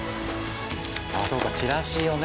ああそうかチラシをね。